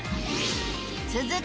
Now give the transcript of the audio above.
続く